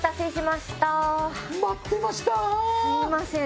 すみません。